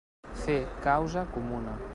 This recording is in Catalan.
Fer causa comuna.